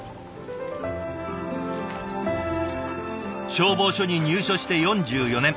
消防署に入署して４４年。